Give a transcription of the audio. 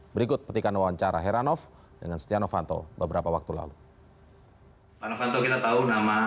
berikut petikan wawancara heranov dengan setia novanto beberapa waktu lalu